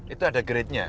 itu ada grade nya